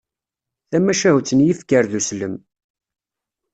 Tamacahut n yifker d uslem.